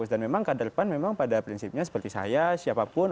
dan memang ke depan pada prinsipnya seperti saya siapapun